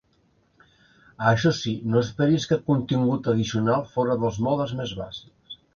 Això sí, no esperis cap contingut addicional fora dels modes més bàsics.